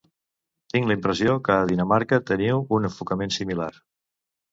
Tinc la impressió que a Dinamarca teniu un enfocament similar.